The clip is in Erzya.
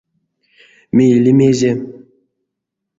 Мейле мезе?